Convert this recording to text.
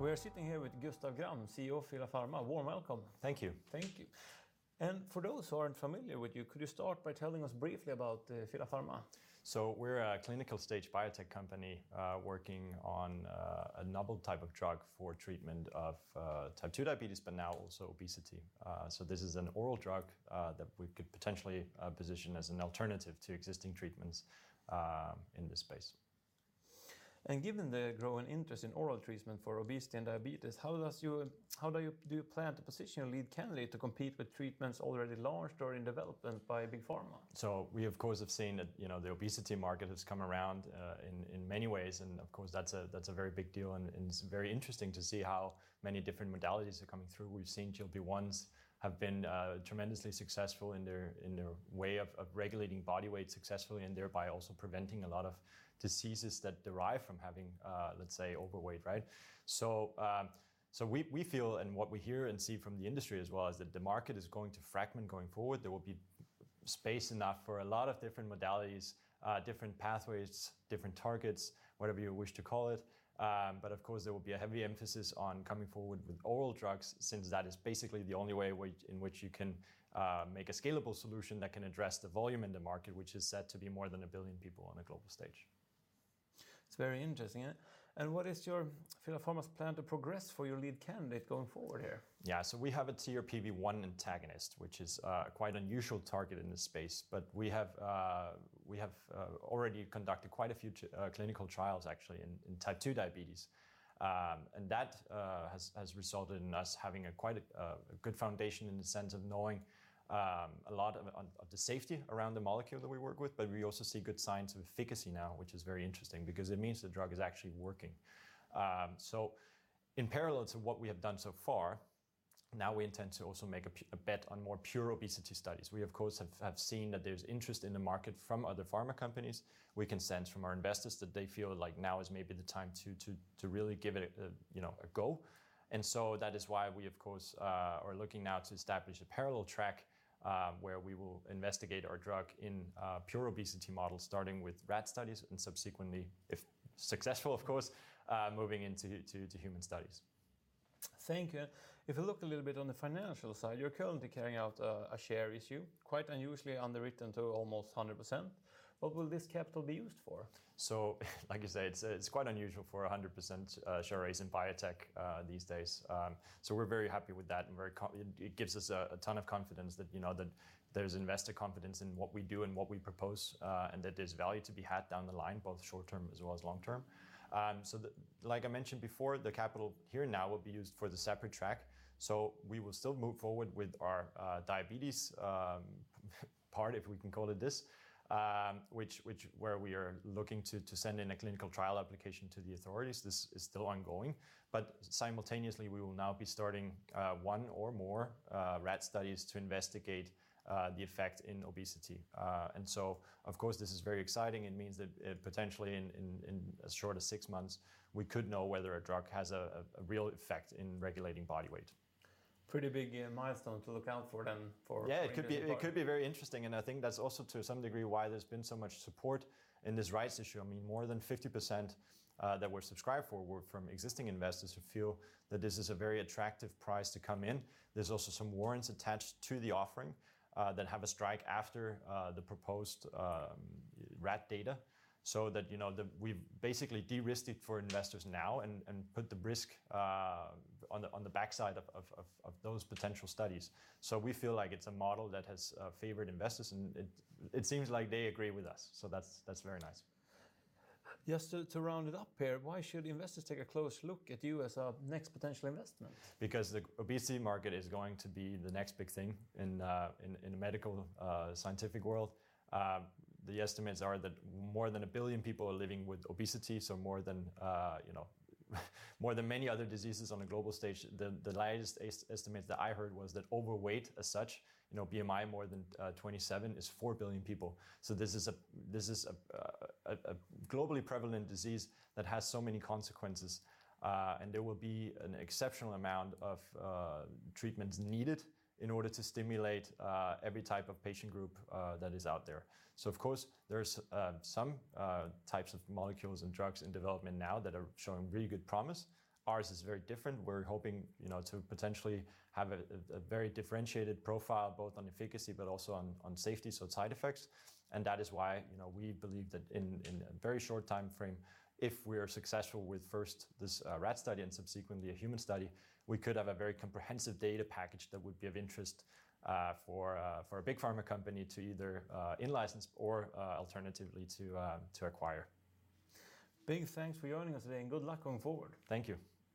We are sitting here with Gustav Gram, CEO of Pila Pharma. Warm welcome. Thank you. Thank you. For those who aren't familiar with you, could you start by telling us briefly about Pila Pharma? We're a clinical stage biotech company working on a novel type of drug for treatment of type two diabetes, but now also obesity. This is an oral drug that we could potentially position as an alternative to existing treatments in this space. Given the growing interest in oral treatment for obesity and diabetes, how do you plan to position your lead candidate to compete with treatments already launched or in development by Big Pharma? We, of course, have seen that the obesity market has come around in many ways. Of course, that's a very big deal. It's very interesting to see how many different modalities are coming through. We've seen GLP-1s have been tremendously successful in their way of regulating body weight successfully, and thereby also preventing a lot of diseases that derive from having, let's say, overweight, right? We feel, and what we hear and see from the industry as well, is that the market is going to fragment going forward. There will be space enough for a lot of different modalities, different pathways, different targets, whatever you wish to call it. Of course, there will be a heavy emphasis on coming forward with oral drugs, since that is basically the only way in which you can make a scalable solution that can address the volume in the market, which is set to be more than a billion people on a global stage. It's very interesting. What is your Pila Pharma's plan to progress for your lead candidate going forward here? Yeah, so we have a TRPV1 antagonist, which is quite an unusual target in this space. We have already conducted quite a few clinical trials, actually, in type two diabetes. That has resulted in us having quite a good foundation in the sense of knowing a lot of the safety around the molecule that we work with. We also see good signs of efficacy now, which is very interesting, because it means the drug is actually working. In parallel to what we have done so far, now we intend to also make a bet on more pure obesity studies. We, of course, have seen that there's interest in the market from other pharma companies. We can sense from our investors that they feel like now is maybe the time to really give it a go. That is why we, of course, are looking now to establish a parallel track where we will investigate our drug in pure obesity models, starting with rat studies and subsequently, if successful, of course, moving into human studies. Thank you. If we look a little bit on the financial side, you're currently carrying out a share issue, quite unusually underwritten to almost 100%. What will this capital be used for? Like I say, it's quite unusual for 100% share raising biotech these days. We're very happy with that. It gives us a ton of confidence that there's investor confidence in what we do and what we propose, and that there's value to be had down the line, both short term as well as long term. Like I mentioned before, the capital here now will be used for the separate track. We will still move forward with our diabetes part, if we can call it this, where we are looking to send in a clinical trial application to the authorities. This is still ongoing. Simultaneously, we will now be starting one or more rat studies to investigate the effect in obesity. Of course, this is very exciting. It means that potentially in as short as six months, we could know whether a drug has a real effect in regulating body weight. Pretty big milestone to look out for then. Yeah, it could be very interesting. I think that's also to some degree why there's been so much support in this rights issue. I mean, more than 50% that were subscribed for were from existing investors who feel that this is a very attractive price to come in. There's also some warrants attached to the offering that have a strike after the proposed rat data, so that we've basically de-risked it for investors now and put the risk on the backside of those potential studies. We feel like it's a model that has favored investors. It seems like they agree with us. That's very nice. Just to round it up here, why should investors take a close look at you as a next potential investment? Because the obesity market is going to be the next big thing in the medical scientific world. The estimates are that more than a billion people are living with obesity, so more than many other diseases on a global stage. The latest estimates that I heard was that overweight as such, BMI more than 27, is four billion people. This is a globally prevalent disease that has so many consequences. There will be an exceptional amount of treatments needed in order to stimulate every type of patient group that is out there. Of course, there are some types of molecules and drugs in development now that are showing really good promise. Ours is very different. We're hoping to potentially have a very differentiated profile, both on efficacy, but also on safety and side effects. That is why we believe that in a very short time frame, if we are successful with first this rat study and subsequently a human study, we could have a very comprehensive data package that would be of interest for a Big Pharma company to either in-license or alternatively to acquire. Big thanks for joining us today. Good luck going forward. Thank you.